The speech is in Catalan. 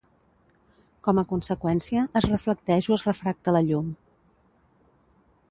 Com a conseqüència, es reflecteix o es refracta la llum.